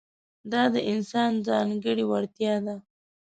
دا د انسان ځانګړې وړتیا ده.